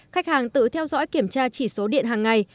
khách hàng tự theo dõi kiểm tra chỉ số điện hàng ngày